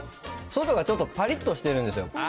外がちょっとぱりっとしてるんですよ。